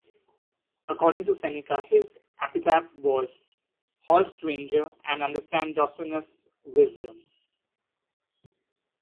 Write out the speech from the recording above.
According to Seneca his epitaph was: "Halt, stranger, and understand Dossennus' wisdom".